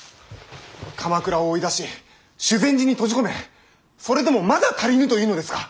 鎌倉を追い出し修善寺に閉じ込めそれでもまだ足りぬというのですか。